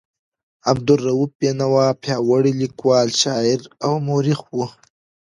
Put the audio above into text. عبدالرؤف بېنوا پیاوړی لیکوال، شاعر او مورخ و.